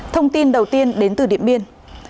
thông tin đầu tiên đến từ điểm biên